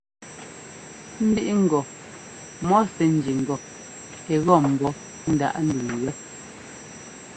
Mbíꞌŋgɔ mɔ sɛ́ ńjí ŋgɔ ɛ́ gɔ́ ḿbɔ́ ndaꞌ ndúŋ wɛ.